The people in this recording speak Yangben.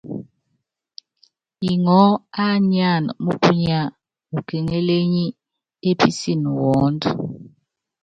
Iŋɔɔ́ á nyáan múkkunya múkéŋelenyé písin wɔɔbɔ́n.